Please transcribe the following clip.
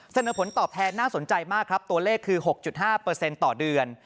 เสนอผลตอบแทนน่าสนใจมากครับตัวเลขคือ๖๕ต่อเดือน